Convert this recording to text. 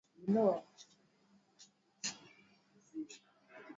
Wanyama walioathirika watengwe na wanyama walio salama